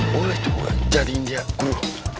boleh tuh jadiin dia guru